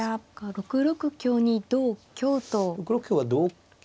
６六香は同香。